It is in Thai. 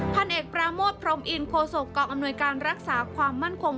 พันเอกปราโมทพรมอินโคศกกองอำนวยการรักษาความมั่นคง